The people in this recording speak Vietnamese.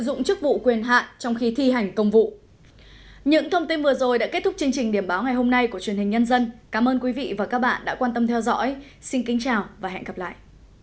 xin kính chào và hẹn gặp lại